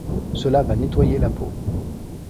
Cela va nettoyer la peau.